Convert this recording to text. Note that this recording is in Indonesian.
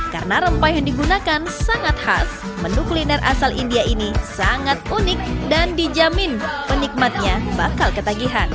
karena rempah yang digunakan sangat khas menu kuliner asal india ini sangat unik dan dijamin penikmatnya bakal ketagihan